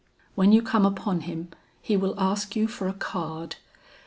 When you come upon him, he will ask you for a card.